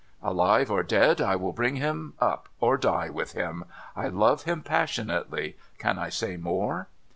Alive or dead, I will bring him up, or die with him. I love him passionately. Can I say more